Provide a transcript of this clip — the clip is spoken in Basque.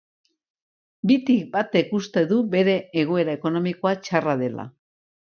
Bitik batek uste du bere egoera ekonomikoa txarra dela.